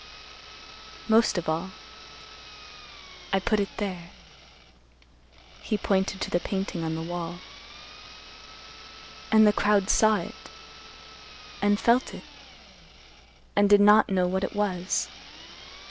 Most of all—I put it there," (He pointed to the painting on the wall) "and the crowd saw it and felt it, and did not know what it was.